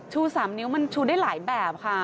ชู๓นิ้วมันชูได้หลายแบบค่ะ